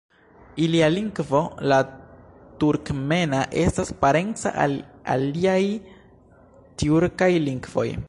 Ilia lingvo, la turkmena, estas parenca al aliaj tjurkaj lingvoj.